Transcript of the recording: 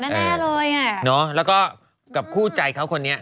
เนาะแล้วก็กับคู่ใจเขาคนนี้